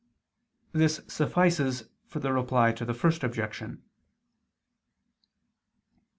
This suffices for the Reply to the First Objection.